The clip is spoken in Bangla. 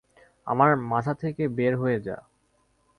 আমার মাথা থেকে বের হয়ে যা!